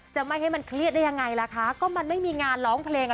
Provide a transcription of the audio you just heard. จะไม่ให้มันเครียดได้ยังไงล่ะคะก็มันไม่มีงานร้องเพลงอ่ะ